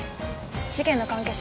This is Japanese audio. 事件の関係者